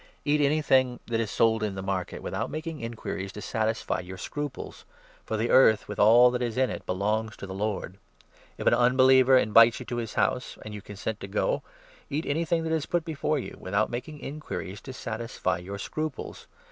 Eat anything that is sold in the market, without making 25 inquiries to satisfy your scruples ; for ' the earth, with 26 all that is in it, belongs to the Lord.' If an unbeliever invites 27 you to his house and you consent to go, eat anything that is put before you, without making inquiries to satisfy your scruples.